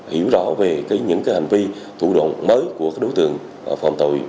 hiểu rõ về những hành vi thủ đoạn mới của đối tượng phạm tội